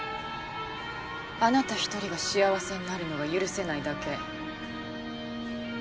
あなた１人が幸せになるのが許せないだけ。